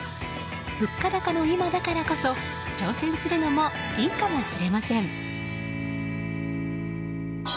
物価高の今だからこそ挑戦するのもいいかもしれません。